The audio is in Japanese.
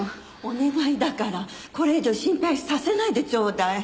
お願いだからこれ以上心配させないでちょうだい。